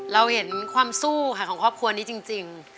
เราเห็นความสู้ค่ะของครอบครัวนี้จริง